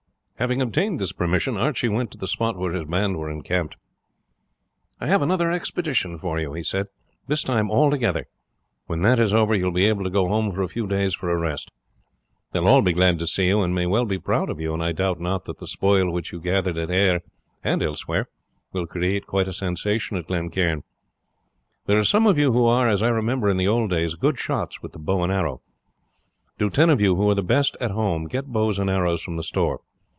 Having obtained this permission, Archie went to the spot where his band were encamped. "I have another expedition for you," he said, "this time all together; when that is over you will be able to go home for a few days for a rest. They will all be glad to see you, and may well be proud of you, and I doubt not that the spoil which you gathered at Ayr and elsewhere will create quite a sensation at Glen Cairn. There are some of you who are, as I remember in the old days, good shots with the bow and arrow. Do ten of you who were the best at home get bows and arrows from the store.